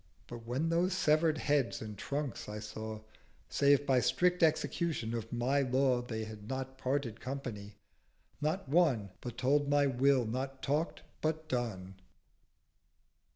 500 But when those sever'd Heads and Trunks I saw— Save by strict Execution of my Law They had not parted company; not one But told my Will not talk'd about, but done.'